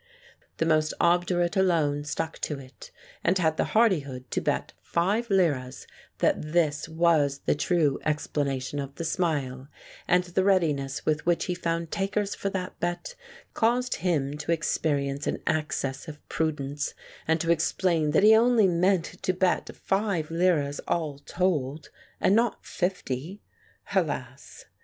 The most obdurate alone stuck to it, and had the hardihood to bet five liras that this was the true explanation of the smile, and the readiness with which he found takers for that bet, caused him to experience an access of prudence, and to explain that he only meant to bet five liras all told, and not fifty. Alas!